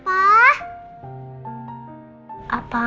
masa itu udah berakhir